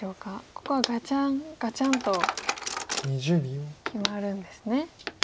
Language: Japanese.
ここはガチャンガチャンと決まるんですね。